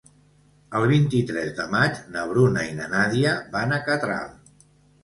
El vint-i-tres de maig na Bruna i na Nàdia van a Catral.